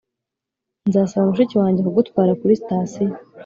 nzasaba mushiki wanjye kugutwara kuri sitasiyo